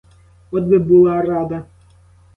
От би була рада!